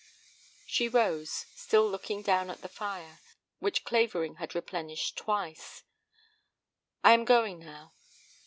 She rose, still looking down at the fire, which Clavering had replenished twice. "I am going now.